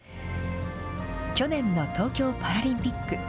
去年の東京パラリンピック。